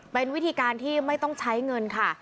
เป็นวิธีการที่ไม่ต้องใช้เงินค่ะ